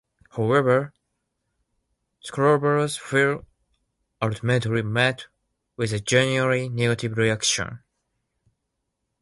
However, Schrader's film ultimately met with a generally negative reaction.